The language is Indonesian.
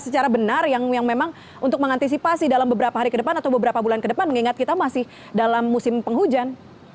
secara benar yang memang untuk mengantisipasi dalam beberapa hari ke depan atau beberapa bulan ke depan mengingat kita masih dalam musim penghujan